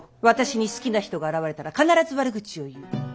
私に好きな人が現れたら必ず悪口を言う。